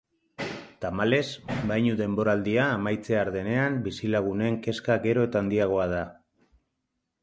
Tamalez, bainu-denboraldia amaitzear denean, bizilagunen kezka gero eta handiagoa da.